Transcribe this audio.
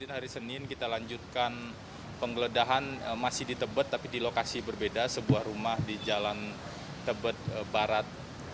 hari senin kita lanjutkan penggeledahan masih di tebet tapi di lokasi berbeda sebuah rumah di jalan tebet barat